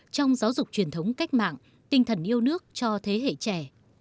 trong giáo dục truyền thống cách mạng tinh thần yêu nước cho thế hệ trẻ